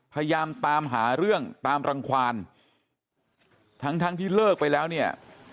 พยายามตามหาเรื่องตามรังความทั้งทั้งที่เลิกไปแล้วเนี่ย